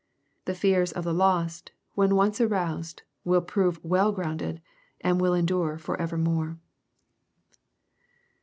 The fears of the lost, when once ai oused, will pyoye well grounded, and will endure for evermore.